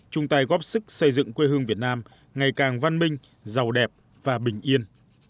chung tay góp sức xây dựng quê hương việt nam ngày càng văn minh giàu đẹp và bình yên